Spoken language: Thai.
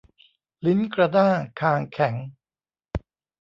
ลิ้นกระด้างคางแข็ง